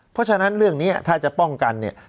เพราะฉะนั้นเรื่องนี้ถ้าจะป้องกันเนี่ย